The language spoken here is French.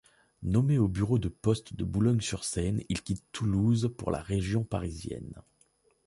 Nommé au bureau de poste de Boulogne-sur-Seine, il quitte Toulouse pour la région parisienne.